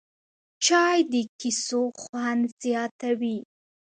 چای د کیسو خوند زیاتوي